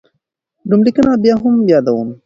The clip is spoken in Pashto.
نوملیکنه بیا هم یادوم.